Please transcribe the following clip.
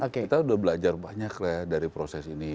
kita sudah belajar banyak lah dari proses ini